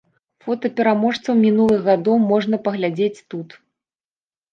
Фота пераможцаў мінулых гадоў можна паглядзець тут.